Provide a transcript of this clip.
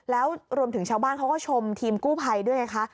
แล้วรวมถึงชาวบ้านเขาก็ชมทีมกู้ภัยด้วยไงคะ